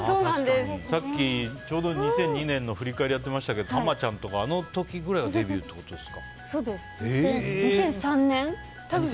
さっき、ちょうど２００２年の振り返りをやってましたけどタマちゃんとかあの時ぐらいがデビューということですか？